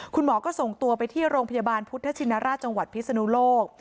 คุณหมอก็ส่งตัวไปที่โรงพยาบาลพุทธชินราชจังหวัดพิศนุโลก